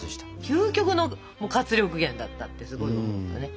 究極の活力源だったってすごい思ったね。